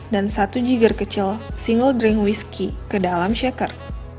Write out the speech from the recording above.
satu jiger kecil single drink wiski ke dalam shaker